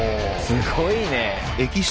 すごいね。